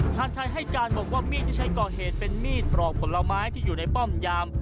ชาญชัยให้การบอกว่ามีดที่ใช้ก่อเหตุเป็นมีดปลอกผลไม้ที่อยู่ในป้อมยาม